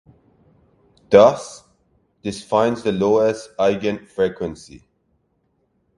Thus, this finds the lowest eigenfrequency.